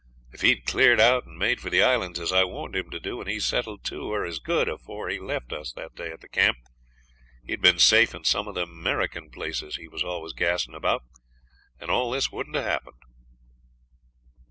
If he'd cleared out and made for the Islands as I warned him to do, and he settled to, or as good, afore he left us that day at the camp, he'd been safe in some o' them 'Merikin places he was always gassin' about, and all this wouldn't 'a happened.'